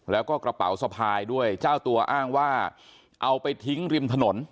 แล้วก็กระเป๋าสะพายด้วยเจ้าตัวอ้างว่าเอาไปทิ้งริมถนน